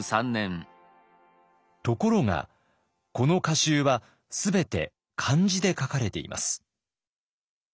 ところがこの歌集は全て漢字で書かれています。